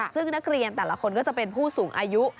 ซึ่งนักเรียนแต่ละคนก็จะเป็นผู้สูงอายุ